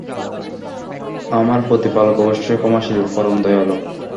আমার প্রতিপালক অবশ্যই ক্ষমাশীল, পরম দয়ালু।